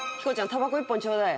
たばこ１本ちょうだいよ。